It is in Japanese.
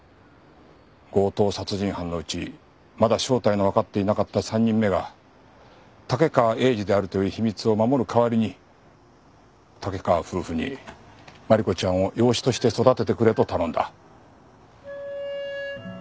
強盗殺人犯のうちまだ正体のわかっていなかった３人目が竹川栄二であるという秘密を守る代わりに竹川夫婦に真梨子ちゃんを養子として育ててくれと頼んだ。